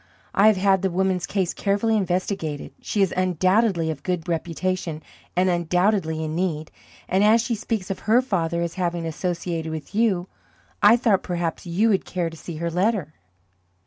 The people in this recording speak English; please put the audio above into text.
I have had the woman's case carefully investigated. She is undoubtedly of good reputation, and undoubtedly in need; and as she speaks of her father as having associated with you, I thought perhaps you would care to see her letter."